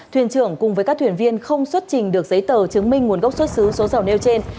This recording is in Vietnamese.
thuyền trưởng cùng với các thuyền viên không xuất trình được giấy tờ chứng minh nguồn gốc xuất xứ số dầu nêu trên